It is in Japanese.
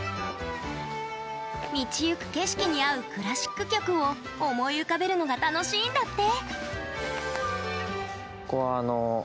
道ゆく景色に合うクラシック曲を思い浮かべるのが楽しいんだって。